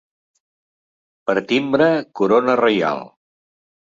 Per timbre, corona reial.